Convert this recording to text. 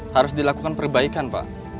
harus dilakukan perbaikan pak